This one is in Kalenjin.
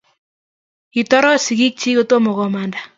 Kitoroch sigiikchik kotomo komanda